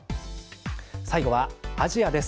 最後はアジアです。